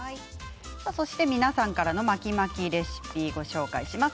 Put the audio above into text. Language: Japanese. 皆さんからの巻き巻きレシピ、ご紹介します。